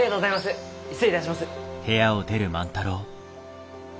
失礼いたします。